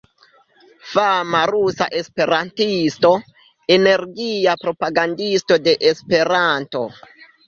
Fama rusa esperantisto, energia propagandisto de Esperanto.